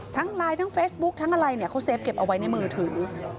ทั้งไลน์ทั้งเฟสบุ๊คทั้งอะไรเขาเซฟเก็บเอาไว้ในมือถือ